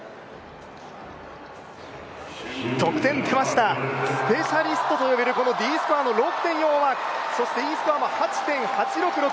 得点、出ました、スペシャリストといわれるＤスコアの６．４をマークそしてＥスコアも８．８６６６、